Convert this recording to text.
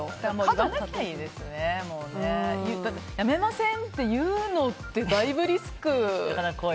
だってやめませんって言うのだって、だいぶリスク。